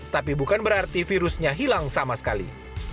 tapi bukan berarti virusnya hilang sama sekali